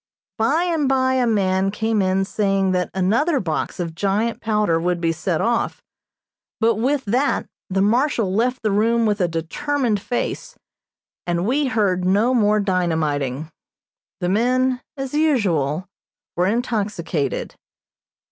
By and by a man came in saying that another box of giant powder would be set off, but with that the Marshal left the room with a determined face, and we heard no more dynamiting. The men, as usual, were intoxicated.